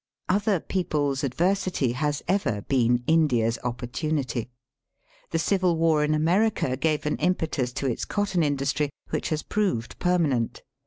Other people's adversity has ever been India's opportunity. The civil war in America gave an impetus to its cotton industry which has proved permanent.